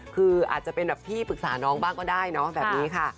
คืออาจจะเป็นแบบพี่ปรึกษาน้องบ้างก็ได้เนาะแบบนี้ค่ะ